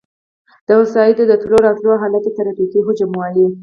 د وسایطو د تلو راتلو حالت ته ترافیکي حجم وایي